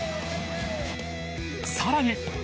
さらに。